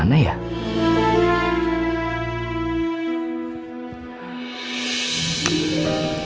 cincinnya di mana ya